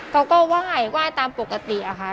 เขาก็ไหว้ตามปกติอะค่ะ